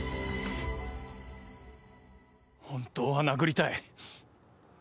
本当は殴りたい。